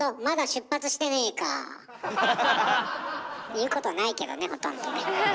言うことないけどねほとんどね。